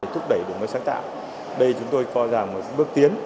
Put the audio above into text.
thúc đẩy đổi mới sáng tạo đây chúng tôi coi rằng một bước tiến